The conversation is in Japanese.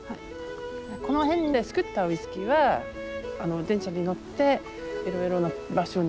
この辺で造ったウイスキーは電車に乗っていろいろな場所に運んで。